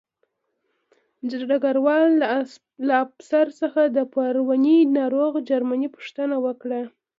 ډګروال له افسر څخه د پرونۍ ناروغ جرمني پوښتنه وکړه